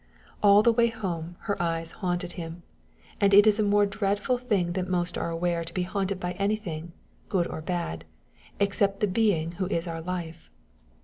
All the way home, her eyes haunted him, and it is a more dreadful thing than most are aware to be haunted by anything, good or bad, except the being who is our life.